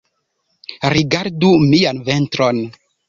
Rigardu mian ventron